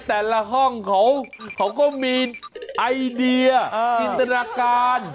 แต่ละห้องเขาก็มีไอเดียจินตนาการ